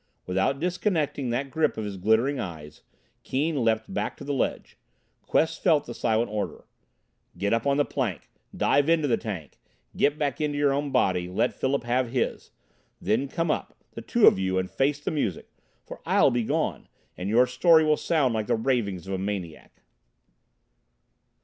Without disconnecting that grip of his glittering eyes, Keane leaped back to the ledge. Quest felt the silent order: "Get up on that plank! Dive into the tank! Get back into your own body, let Philip have his! Then come up the two of you and face the music. For I'll be gone, and your story will sound like the ravings of a maniac."